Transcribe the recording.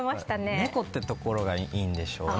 猫というところがいいんでしょうね。